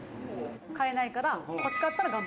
「買えないから」